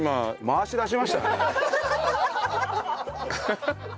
回しだしましたよ。